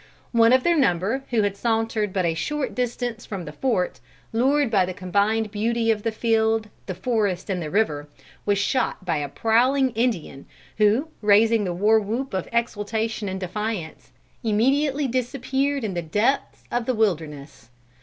One of their number who had sauntered but a short distance from the fort, lured by the combined beauty of the field, the forest and the river, was shot by a prowling Indian, who, raising the war whoop of exultation and defiance, immediately disappeared in the depths of the wilderness.